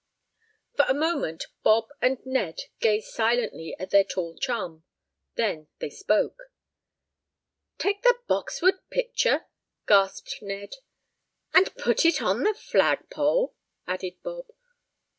For a moment Bob and Ned gazed silently at their tall chum. Then they spoke. "Take the Boxwood picture?" gasped Ned. "And put it on the flagpole?" added Bob.